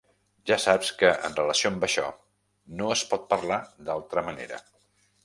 Ja saps que, en relació amb això, no es pot parlar d'altra manera.